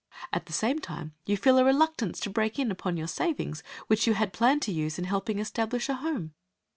At the same time you feel a reluctance to break in upon your savings, which you had planned to use in helping establish a home.